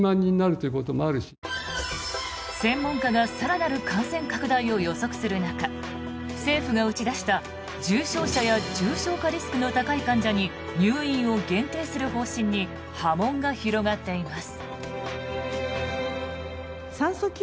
専門家が更なる感染拡大を予測する中政府が打ち出した重症者や重症化リスクの高い患者に入院を限定する方針に波紋が広がっています。